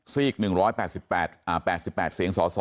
ซีก๑๘๘เสียงสส